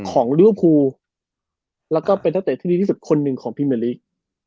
ของเรื้อภูแล้วก็เป็นนักเตะที่ดีที่สุดคนหนึ่งของพี่เมริก